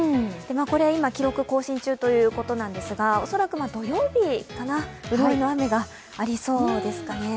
今、記録更新中ということですが、恐らく、土曜日かな、潤いの雨がありそうですかね。